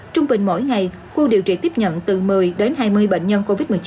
trung bình mỗi ngày khu điều trị tiếp nhận từ một mươi đến hai mươi bệnh nhân